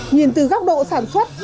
nhìn từ góc độ sản xuất